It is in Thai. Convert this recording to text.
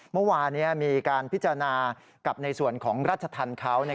เมื่อวานนี้มีการพิจารณากับในส่วนของราชธรรมเขา